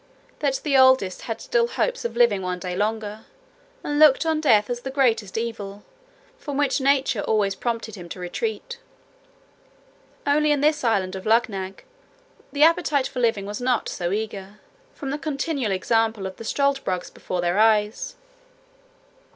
That the oldest had still hopes of living one day longer, and looked on death as the greatest evil, from which nature always prompted him to retreat. Only in this island of Luggnagg the appetite for living was not so eager, from the continual example of the struldbrugs before their eyes.